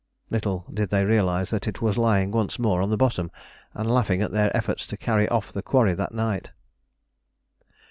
Little did they realise that it was lying once more on the bottom and laughing at their efforts to carry off the quarry that night.